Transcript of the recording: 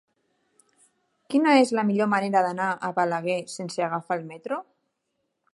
Quina és la millor manera d'anar a Balaguer sense agafar el metro?